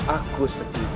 aku setuju denganmu